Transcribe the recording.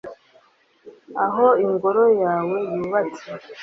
aho ingoro yawe yubatse